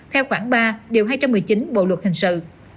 theo khoảng ba điều hai trăm một mươi chín bộ luật hình sự